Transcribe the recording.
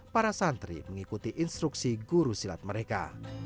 para santri mengikuti instruksi guru silat mereka